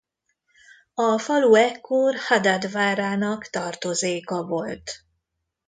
A falu ekkor Hadad várának tartozéka volt.